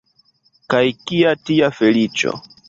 Kaj kia tia feliĉo?